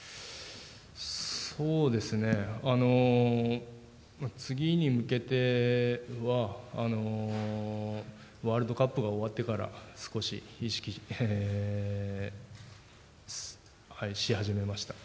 そうですね、次に向けてはワールドカップが終わってから、少し意識し始めました。